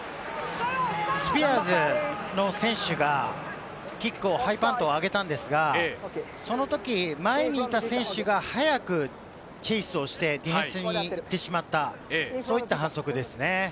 スピアーズの選手がキックをハイパントで上げたんですが、その時、前にいた選手が早くチェイスをしてディフェンスに行ってしまった、そういった反則ですね。